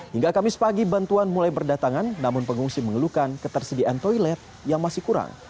hingga kamis pagi bantuan mulai berdatangan namun pengungsi mengeluhkan ketersediaan toilet yang masih kurang